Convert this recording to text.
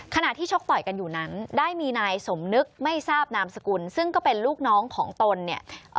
ขณะที่ชกต่อยกันอยู่นั้นได้มีนายสมนึกไม่ทราบนามสกุลซึ่งก็เป็นลูกน้องของตนเนี่ย